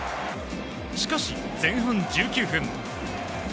しかし前半１９分。